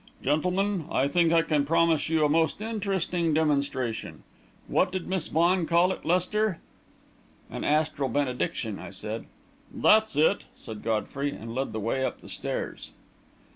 Gentlemen, I think I can promise you a most interesting demonstration. What did Miss Vaughan call it, Lester?" "An astral benediction," I said. "That's it!" said Godfrey, and led the way up the steps.